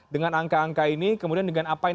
dengan angka angka ini kemudian dengan apa yang